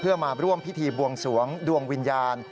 เพื่อมาร่วมพิธีบวงสวงดวงวิญญาณ